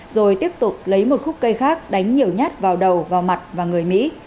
rồi tiếp tục lấy một khúc cây khác đánh nhiều nhát vào đầu vào mặt và người mỹ